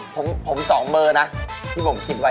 ผม๒เบอร์นะที่ผมคิดไว้